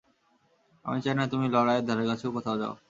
আমি চাই না, তুমি লড়াইয়ের ধারেকাছেও কোথাও যাও।